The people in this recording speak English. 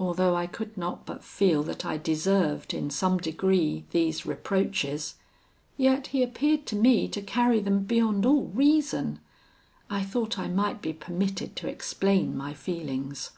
"Although I could not but feel that I deserved, in some degree, these reproaches, yet he appeared to me to carry them beyond all reason. I thought I might be permitted to explain my feelings.